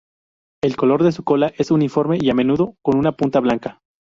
El color de la cola es uniforme y a menudo con una punta blanca.